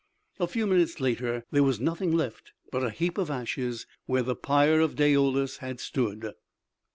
A few minutes later there was nothing left but a heap of ashes where the pyre of Daoulas had stood.